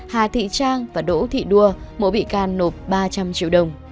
hà thị trang và đỗ thị đua mỗi bị can nộp ba trăm linh triệu đồng